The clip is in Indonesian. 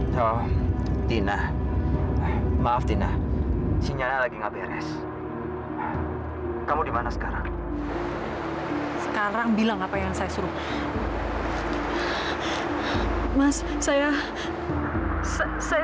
sampai jumpa di video selanjutnya